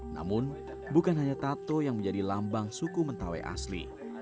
namun bukan hanya tato yang menjadi lambang suku mentawai asli